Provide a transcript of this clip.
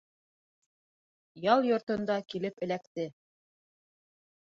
Ял йортонда килеп эләкте.